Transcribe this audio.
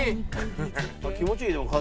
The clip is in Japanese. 気持ちいいな風。